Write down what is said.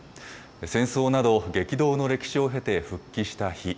戦争など、激動の歴史を経て復帰した日。